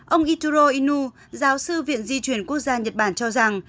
ông ituro inu giáo sư viện di chuyển quốc gia nhật bản cho rằng